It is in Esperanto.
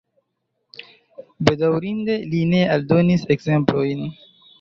Bedaŭrinde li ne aldonis ekzemplojn.